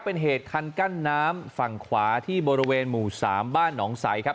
เป็นเหตุคันกั้นน้ำฝั่งขวาที่บริเวณหมู่๓บ้านหนองใสครับ